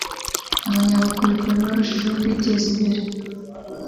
abanyabukorikori barushijeho kwiteza imbere